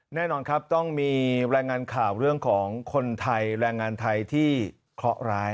แน่นอนครับต้องมีรายงานข่าวเรื่องของคนไทยแรงงานไทยที่เคราะห์ร้าย